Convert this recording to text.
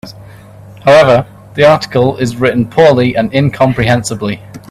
However, the article is written poorly and incomprehensibly.